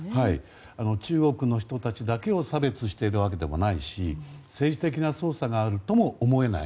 中国の人たちだけを差別しているわけではないし政治的な操作があるとも思えない。